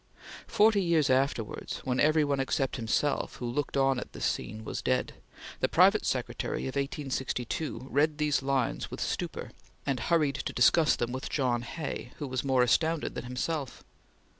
Forty years afterwards, when every one except himself, who looked on at this scene, was dead, the private secretary of 1862 read these lines with stupor, and hurried to discuss them with John Hay, who was more astounded than himself.